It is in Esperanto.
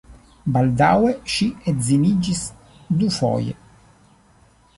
Baldaŭe ŝi edziniĝis dufoje.